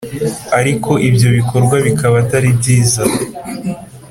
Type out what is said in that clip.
ariko ibyo bikorwa bikaba Atari byiza